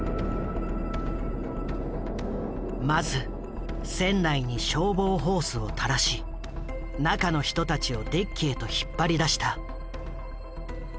まず船内に消防ホースを垂らし中の人たちをデッキへと引っ張り出した。